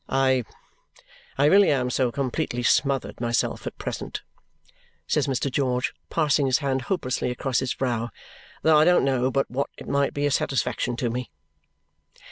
I I really am so completely smothered myself at present," says Mr. George, passing his hand hopelessly across his brow, "that I don't know but what it might be a satisfaction to me."